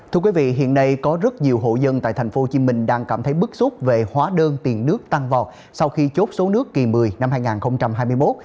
thưa quý vị hiện nay có rất nhiều hộ dân tại tp hcm đang cảm thấy bức xúc về hóa đơn tiền nước tăng vọt sau khi chốt số nước kỳ một mươi năm hai nghìn hai mươi một